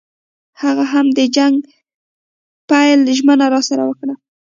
هغه هم د جنګ پیل ژمنه راسره وکړه.